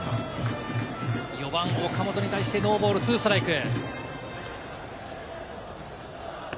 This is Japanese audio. ４番・岡本に対してノーボール２ストライク。